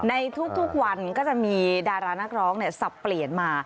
ในทุกวันก็จะมีดารานักร้องสับเปลี่ยนมา